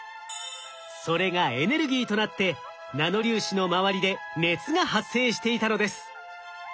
それがエネルギーとなってナノ粒子の周りで熱が発生していたのです。